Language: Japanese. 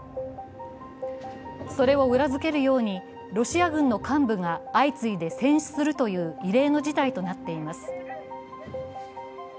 それを裏づけるようにロシア軍の幹部が相次いで戦死するという異例の事態となっています。